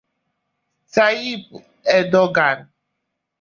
Tayyip Erdogan